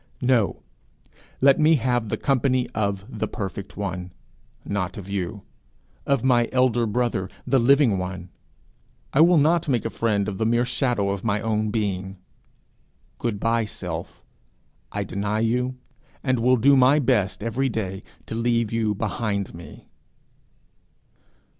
No! let me have the company of the Perfect One, not of you! of my elder brother, the Living One! I will not make a friend of the mere shadow of my own being! Good bye, Self! I deny you, and will do my best every day to leave you behind me.'